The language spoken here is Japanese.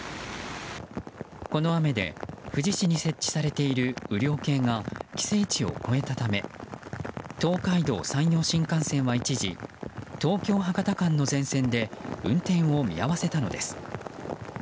この雨で富士市に設置されている雨量計が規制値を超えたため東海道・山陽新幹線は一時東京博多間の全線で運転を見合わせたのです。